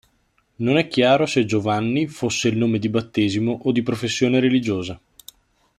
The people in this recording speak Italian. Non è chiaro se Giovanni fosse il nome di battesimo o di professione religiosa.